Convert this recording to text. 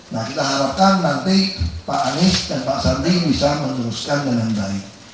nah kita harapkan nanti pak anies dan pak sandi bisa meneruskan dengan baik